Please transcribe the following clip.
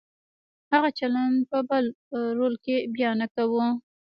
هغه چلند په بل رول کې بیا نه کوو.